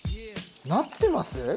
なってます？